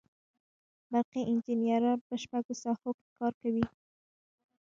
برقي انجینران په شپږو ساحو کې کار کوي.